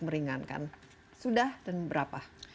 meringankan sudah dan berapa